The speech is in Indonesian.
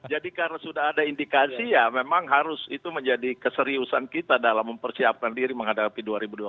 jadi karena sudah ada indikasi ya memang harus itu menjadi keseriusan kita dalam mempersiapkan diri menghadapi dua ribu dua puluh empat